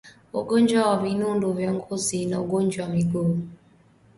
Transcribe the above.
ugonjwa wa vinundu vya ngozi na ugonjwa wa miguu